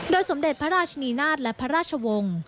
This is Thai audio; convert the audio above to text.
สมเด็จพระราชนีนาฏและพระราชวงศ์